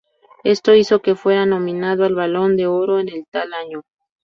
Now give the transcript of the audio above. Esto hizo que fuera nominado al Balon de Oro en tal año.